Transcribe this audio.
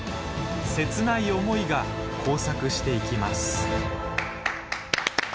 切ない思いが交錯していきます。